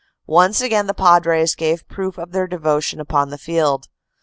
Once again the Padres gave proof of their devotion upon the field.